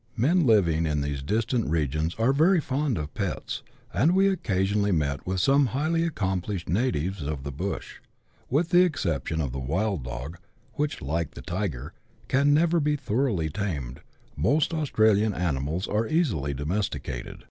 Men living in these distant regions are very fond of " pets," and we occasion ally met with some highly accomplished natives of the bush. With the exception of the wild dog, which, like the tiger, can never be thoroughly tamed, most Australian animals are easily domesticated.